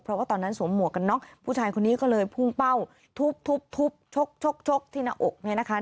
เพราะว่าตอนนั้นสวมวกกัน